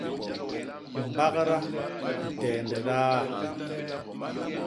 Mbagda diteende diaa.